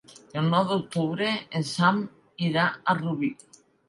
El nou d'octubre en Sam irà a Rubí.